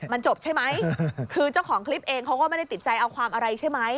มันจบใช่ไหมคือเจ้าของคลิปเองเขาก็ไม่ได้ติดใจเอาความอะไรใช่ไหม